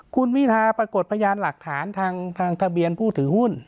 คุณพิธาปรากฏพยานหลักฐานทางทะเบียนผู้ถือหุ้น